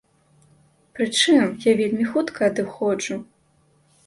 Прычым, я вельмі хутка адыходжу.